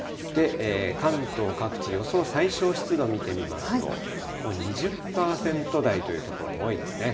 関東各地、予想最小湿度、見てみますと、もう２０％台という所も多いですね。